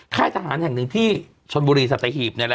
ท่ายทหารแห่ง๑ที่ชมบุรีสัตโฮีบนี่ล่ะ